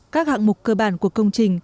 các hạng mục cơ bản của công trình